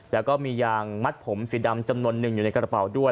แล้วก็มียางมัดผมสีดำจำนวนหนึ่งอยู่ในกระเป๋าด้วย